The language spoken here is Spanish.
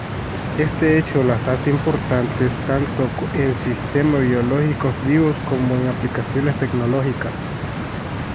Este hecho las hace importantes tanto en sistemas biológicos vivos como en aplicaciones tecnológicas.